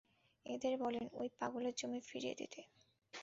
এদের বলেন, ঐ পাগলের জমি ফিরিয়ে দিতে।